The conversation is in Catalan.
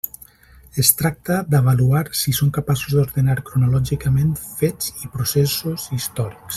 Es tracta d'avaluar si són capaços d'ordenar cronològicament fets i processos històrics.